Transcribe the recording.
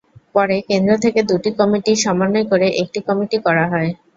পরে কেন্দ্র থেকে দুটি কমিটি সমন্বয় করে একটি কমিটি করা হয়।